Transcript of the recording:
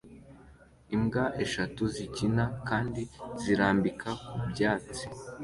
Imbwa eshatu zikina kandi zirambika ku byatsi